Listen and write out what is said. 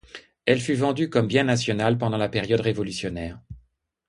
Elle fut vendue comme bien national pendant la période révolutionnaire.